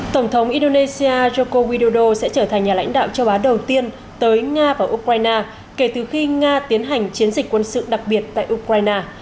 tổng thống indonesia joko widodo sẽ trở thành nhà lãnh đạo châu á đầu tiên tới nga và ukraine kể từ khi nga tiến hành chiến dịch quân sự đặc biệt tại ukraine